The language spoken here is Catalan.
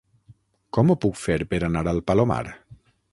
Com ho puc fer per anar al Palomar?